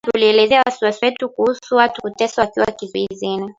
Alisema tulielezea wasiwasi wetu kuhusu watu kuteswa wakiwa kizuizini